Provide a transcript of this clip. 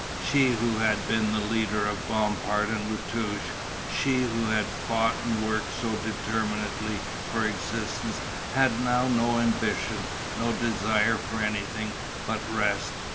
She who had been the leader of Bompard and La Touche, she who had fought and worked so determinedly for existence had now no ambition, no desire for anything but rest.